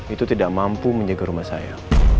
itu tidak mampu menjaga rumah saya